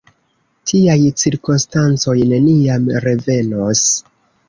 Tiaj cirkonstancoj neniam revenos.